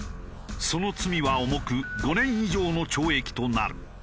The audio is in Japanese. その罪は重く５年以上の懲役となる。